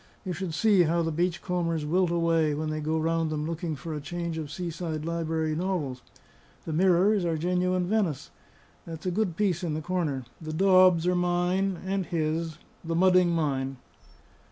You should see how the beach combers wilt away when they go round them looking for a change of Seaside Library novels. The mirrors are genuine Venice; that's a good piece in the corner. The daubs are mine and his; the mudding mine."